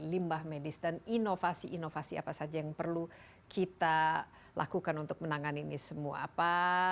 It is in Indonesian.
limbah medis dan inovasi inovasi apa saja yang perlu kita lakukan untuk menangani ini semua apa